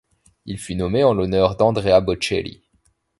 Il fut nommé en l'honneur d'Andrea Bocelli.